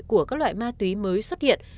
của các loại ma túy mới xuất hiện